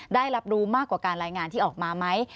ได้รับรู้มากกว่าการรายงานที่ออกมาไหม